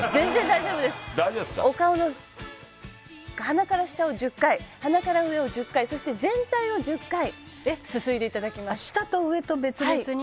「大丈夫ですか？」「お顔の」「鼻から下を１０回鼻から上を１０回そして全体を１０回すすいで頂きます」「下と上と別々に？」